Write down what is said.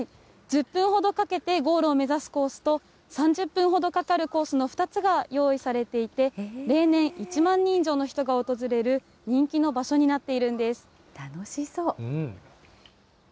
１０分ほどかけてゴールを目指すコースと、３０分ほどかかるコースの２つが用意されていて、例年、１万人以上の人が訪れる人気の場楽しそう。